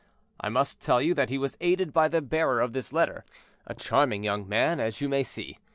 I must tell you that he was aided by the bearer of this letter, a charming young man, as you may see.